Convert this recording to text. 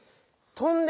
「とんで」？